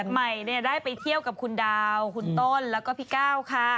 ใหม่ได้ไปเที่ยวกับคุณดาวคุณต้นแล้วก็พี่ก้าวค่ะ